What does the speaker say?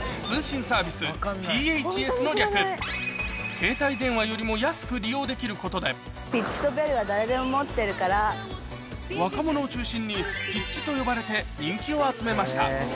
携帯電話よりも安く利用できることで若者を中心に「ピッチ」と呼ばれて人気を集めました